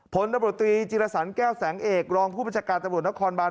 ผลตำรวจตรีจิรสันแก้วแสงเอกรองผู้บัญชาการตำรวจนครบาน